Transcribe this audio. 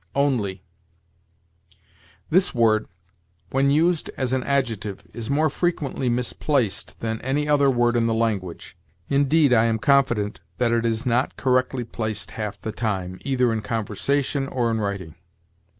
ONLY. This word, when used as an adjective, is more frequently misplaced than any other word in the language. Indeed, I am confident that it is not correctly placed half the time, either in conversation or in writing.